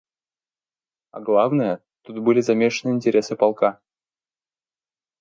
А главное, тут были замешаны интересы полка.